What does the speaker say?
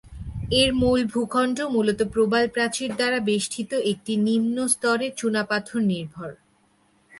এর ভূখণ্ড মূলত প্রবাল প্রাচীর দ্বারা বেষ্টিত একটি নিম্ন-স্তরের চুনাপাথর নির্ভর।